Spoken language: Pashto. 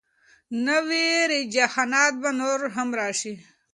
نوي رجحانات به نور هم راشي.